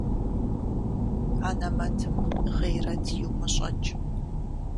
Анэмэтым гъейрэт иумыщӀэкӀ.